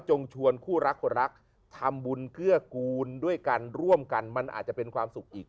ชวนคู่รักรักทำบุญเกื้อกูลด้วยกันร่วมกันมันอาจจะเป็นความสุขอีก